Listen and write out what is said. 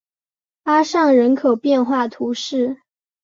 阿尚人口变化图示